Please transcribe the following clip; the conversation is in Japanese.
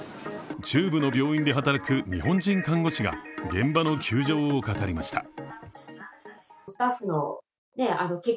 中部の病院で働く日本人看護師が現場の窮状を語りました。